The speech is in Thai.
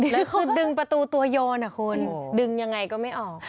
แล้วคือดึงประตูตัวโยนคุณดึงยังไงก็ไม่ออก